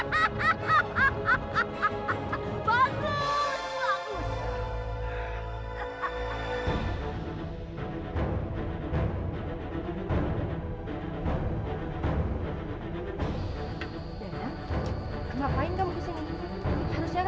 dengan ilmu gerogosyukmu